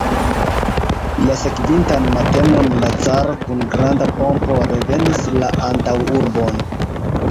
La sekvintan matenon la caro kun granda pompo revenis la antaŭurbon.